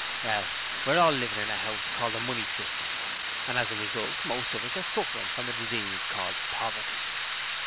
Well, we're all living in a house called the Money System; and as a result most of us are suffering from a disease called poverty.